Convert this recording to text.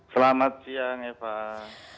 selamat siang ya pak